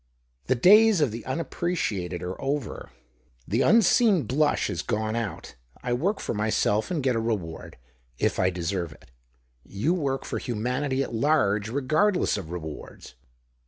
The days of the unappre ciated are over. The unseen blush is gone out. I work for myself and get a reward, if I deserve it. You work for humanity at large, regardless of rewards."